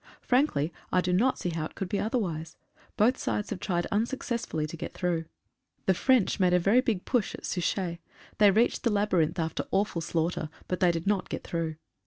Frankly, I do not see how it could be otherwise. Both sides have tried unsuccessfully to get through. The French made a very big 98 RAMADAN. push at Souchez. They reached the Labyrinth after awful slaughter, but they did not get through.